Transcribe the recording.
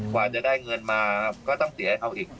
กว่าจะได้เงินมาก็ต้องเสียให้เขาอีก